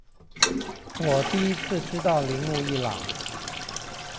我第一次知道鈴木一朗